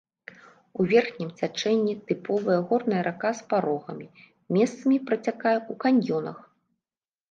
У верхнім цячэнні тыповая горная рака з парогамі, месцамі працякае ў каньёнах.